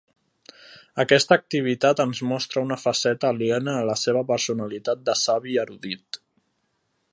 Aquesta activitat ens mostra una faceta aliena a la seva personalitat de savi erudit.